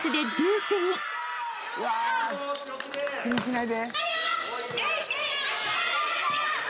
気にしないで。